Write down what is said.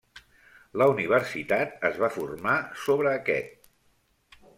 La universitat es va formar sobre aquest.